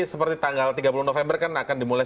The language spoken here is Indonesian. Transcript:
seperti tanggal tiga puluh november kan akan dimulai